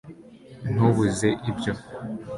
ntubuze ibyo